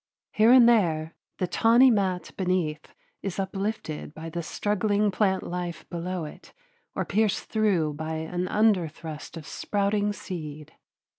Here and there the tawny mat beneath is uplifted by the struggling plant life below it or pierced through by an underthrust of a sprouting seed.